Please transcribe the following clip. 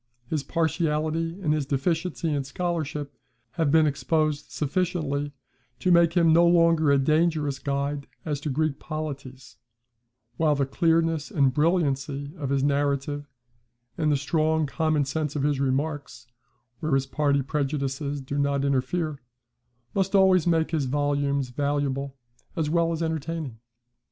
His partiality, and his deficiency in scholarship, have been exposed sufficiently to make him no longer a dangerous guide as to Greek polities; while the clearness and brilliancy of his narrative, and the strong common sense of his remarks (where his party prejudices do not interfere) must always make his volumes valuable as well as entertaining.